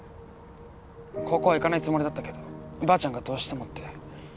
高校は行かないつもりだったけどばあちゃんがどうしてもって